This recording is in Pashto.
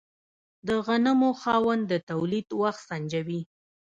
د غنمو خاوند د تولید وخت سنجوي.